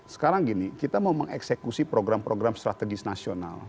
sekarang gini kita mau mengeksekusi program program strategis nasional